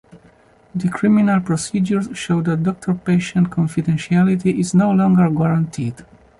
The criminal procedures show that doctor-patient confidentiality is no longer guaranteed.